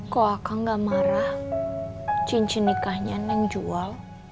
kok aku gak marah cincin nikahnya neng jual